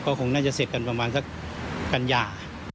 ก็คงน่าจะเสร็จกันประมาณสักกันยา